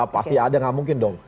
pasti ada nggak mungkin dong